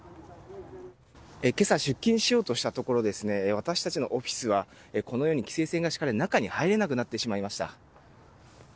今朝、出勤しようとしたところ私たちのオフィスはこのように規制線が敷かれ中に入れなくなってしまいました。